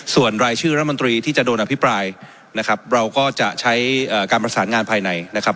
ส่วนรายชื่อรัฐมนตรีที่จะโดนอภิปรายนะครับเราก็จะใช้การประสานงานภายในนะครับ